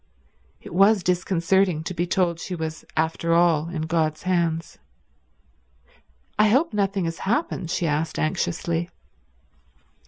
It was disconcerting to be told she was after all in God's hands. "I hope nothing has happened?" she asked anxiously.